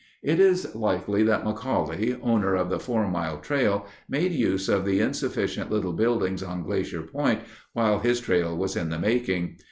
It is likely that McCauley, owner of the Four Mile Trail, made use of the insufficient little building on Glacier Point while his trail was in the making.